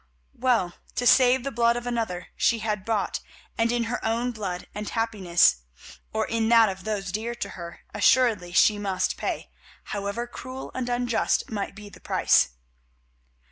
Well, to save the blood of another she had bought, and in her own blood and happiness, or in that of those dear to her, assuredly she must pay, however cruel and unjust might be the price.